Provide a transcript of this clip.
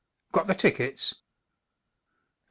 Got the tickets ?